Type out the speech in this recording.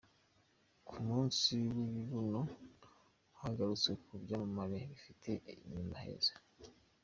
Ku munsi w’ibibuno hagarutswe ku byamamare bifite inyuma heza